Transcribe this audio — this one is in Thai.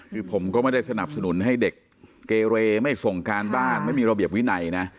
คือผมก็ไม่ได้สนับสนุนให้เด็กเกเรไม่ส่งการบ้านไม่มีระเบียบวินัยนะ